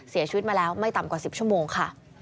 เสียชีวิตมาแล้วไม่ต่ำกว่า๑๐ชั่วโมงค่ะ